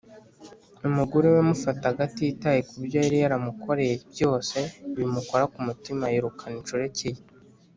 Umugore we yamufataga atitaye ku byo yari yaramukoreye byose bimukora ku mutima yirukana inshoreke ye